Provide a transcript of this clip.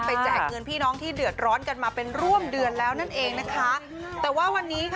แจกเงินพี่น้องที่เดือดร้อนกันมาเป็นร่วมเดือนแล้วนั่นเองนะคะแต่ว่าวันนี้ค่ะ